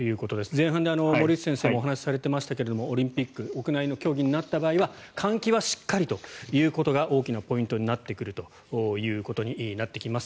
前半で森内先生もお話しされていましたがオリンピック屋内の競技になった場合は換気はしっかりということが大きなポイントになってくるということになってきます。